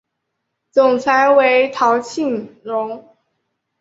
总裁为陶庆荣。